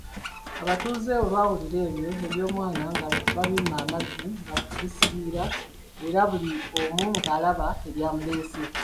Abatuuze olwawulira ebyo, eby'omwana nga babimma amazzi nga bisiriira era buli omu ng'alaba eryamuleese.